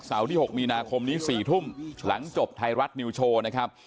ที่๖มีนาคมนี้๔ทุ่มหลังจบไทยรัฐนิวโชว์นะครับ